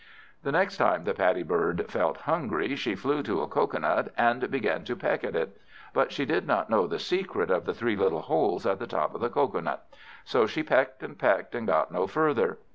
The next time the Paddy bird felt hungry, she flew to a cocoa nut and began to peck at it. But she did not know the secret of the three little holes at the top of the cocoa nut; so she pecked, and pecked, and got no further.